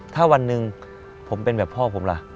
ถ้าวันหนึ่งผมเป็นแบบพ่อผมล่ะ